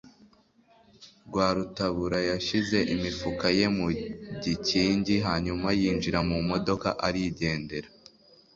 Rwarutabura yashyize imifuka ye mu gikingi, hanyuma yinjira mu modoka arigendera.